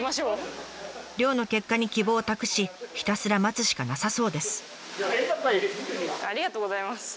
漁の結果に希望を託しひたすら待つしかなさそうです。